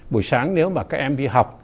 buổi sáng nếu mà các em đi học